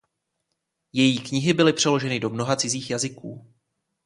Její knihy byly přeloženy do mnoha cizích jazyků.